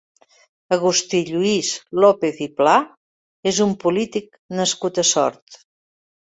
Agustí Lluís López i Pla és un polític nascut a Sort.